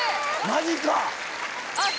マジか！？